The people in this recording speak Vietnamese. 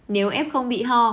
nếu ép không bị ho